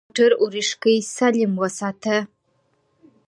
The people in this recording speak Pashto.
د موټر اورېښکۍ سالم وساته.